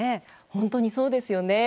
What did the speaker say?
本当にそうですよね。